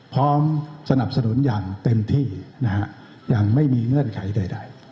พร้อมสนับสนุนอย่างเต็มที่นะฮะยังไม่มีเงื่อนไขใด